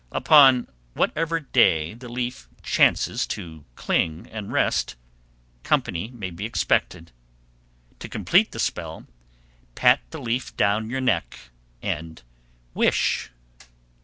Upon whichever day the leaf chances to cling and rest, company may be expected. To complete the spell, pat the leaf down your neck and wish.